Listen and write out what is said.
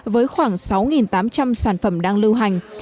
với khoảng sáu tám trăm linh sản phẩm đang lưu hành